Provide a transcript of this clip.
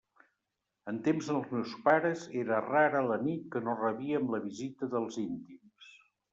En temps dels meus pares era rara la nit que no rebíem la visita dels íntims.